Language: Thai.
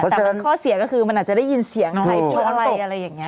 แต่ข้อเสียก็คือมันอาจจะได้ยินเสียงใครพูดอะไรอะไรอย่างนี้